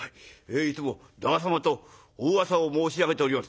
「いつも旦那様とおうわさを申し上げております。